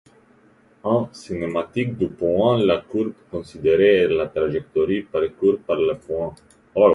En cinématique du point, la courbe considérée est la trajectoire parcourue par le point.